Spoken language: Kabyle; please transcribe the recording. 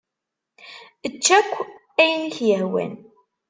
Ečč akk ayen i k-yehwan.